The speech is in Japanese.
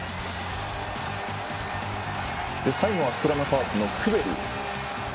最後はスクラムハーフのクベリ。